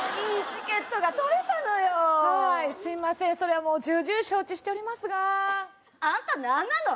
チケットが取れたのよはいすいませんそれはもう重々承知しておりますがアンタ何なの？